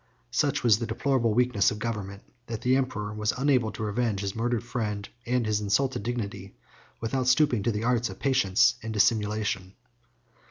731 Such was the deplorable weakness of government, that the emperor was unable to revenge his murdered friend and his insulted dignity, without stooping to the arts of patience and dissimulation.